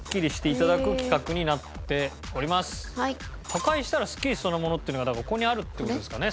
破壊したらスッキリしそうなものっていうのがここにあるって事ですかね？